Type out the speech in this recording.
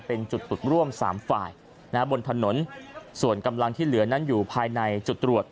เป็นจุดร่วมสามฝ่ายนะบนถนนส่วนกำลังที่เหลือนั้นอยู่ภายในจุดตรวจ